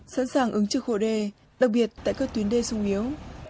sẵn sàng ứng trước hộ đê đặc biệt tại các tuyến đê sông yếu